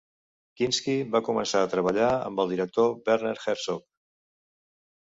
Kinski va començar a treballar amb el director Werner Herzog.